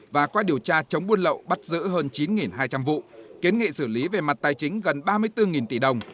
và qua điều tra chống buôn lậu bắt giữ hơn chín hai trăm linh vụ kiến nghị xử lý về mặt tài chính gần ba mươi bốn tỷ đồng